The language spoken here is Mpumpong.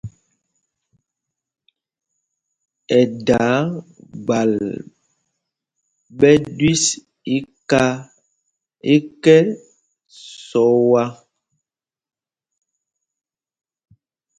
Ɛ daa gbal ɓɛ jüii iká ekɛ́ sɔa.